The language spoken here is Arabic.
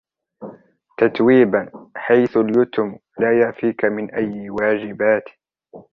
تتويبا: حيث اليُتْمُ لا يعفيك من أي واجبات.